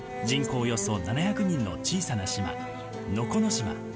およそ７００人の小さな島、能古島。